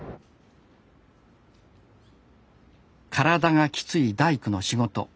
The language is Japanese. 体がきつい大工の仕事。